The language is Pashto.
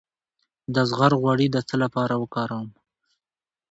د زغر غوړي د څه لپاره وکاروم؟